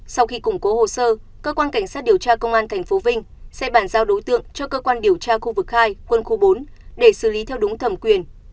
sau khi củng cố hồ sơ cơ quan cảnh sát điều tra công an tp vinh sẽ bàn giao đối tượng cho cơ quan điều tra khu vực hai quân khu bốn để xử lý theo đúng thẩm quyền